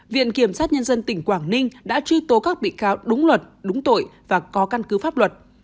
viện kiểm sát nhân dân tỉnh quảng ninh đã truy tố các bị cáo đúng luật đúng tội và có căn cứ pháp luật